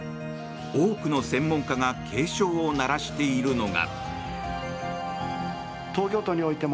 多くの専門家が警鐘を鳴らしているのが。